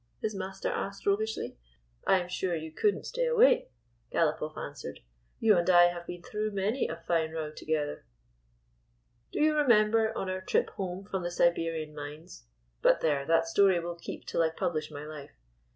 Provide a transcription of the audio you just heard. his master asked, roguishly. " I 'm sure you could n't stay away," Galopoff answered. " You and I have been through many a fine row together. Do you remember, on our trip home from the Siberian mines — But there, that story will keep till I publish my life.